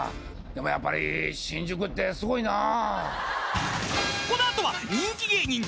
でもやっぱり新宿ってすごいなぁ。